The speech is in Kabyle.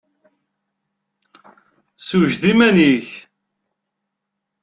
Sewjed iman-ik!